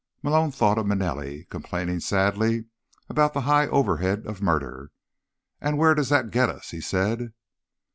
Malone thought of Manelli, complaining sadly about the high overhead of murder. "And where does that get us?" he said.